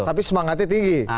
tapi semangatnya tinggi